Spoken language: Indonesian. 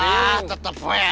ah tetap ya